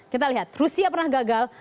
kita lihat rusia pernah gagal